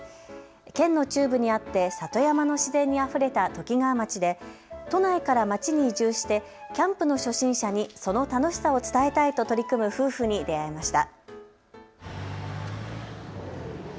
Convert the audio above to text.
県の中部にあって里山の自然にあふれたときがわ町で都内から町に移住してキャンプの初心者にその楽しさを伝えたいと取り組む夫婦に出会いました。